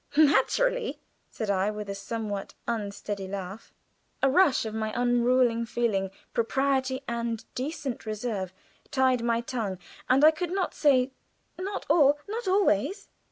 "Naturally," I said, with a somewhat unsteady laugh. A rush of my ruling feeling propriety and decent reserve tied my tongue, and I could not say, "Not all not always."